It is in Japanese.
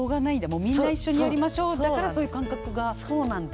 もうみんな一緒にやりましょうだからそういう感覚が生まれやすいのか。